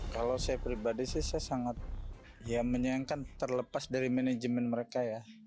kalau saya pribadi sih saya sangat ya menyayangkan terlepas dari manajemen mereka ya